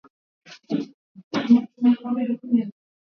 Malisho yenye bakteria wa ugonjwa wa kimeta